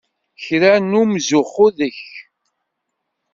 Kra n umzuxxu deg-k!